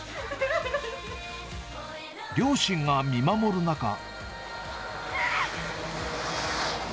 両親が見守る中。